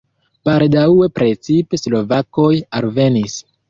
Baldaŭe precipe slovakoj alvenis.